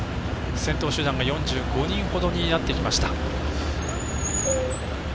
先頭集団が４５人ほどになってきました。